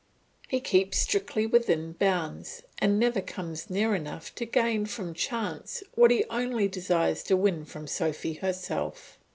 He keeps strictly within bounds, and never comes near enough to gain from chance what he only desires to win from Sophy herself.